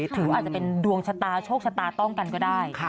อาจจะเป็นดวงชะตาโชคชะตาต้องกันก็ได้